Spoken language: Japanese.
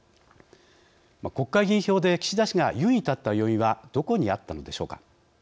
国会議員票で岸田氏が優位に立った要因はどこにあったのでしょうか。